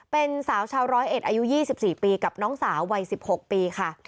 เป็นสาวชาวร้อยเอ็ดอายุ๒๔ปีกับน้องสาววัย๑๖ปีค่ะ